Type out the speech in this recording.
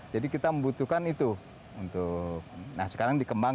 jadi kita membutuhkan itu untuk nah sekarang dikembangkan memang